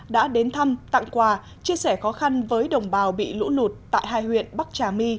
đã đến thăm tặng quà chia sẻ khó khăn với đồng bào bị lũ lụt tại hai huyện bắc trà my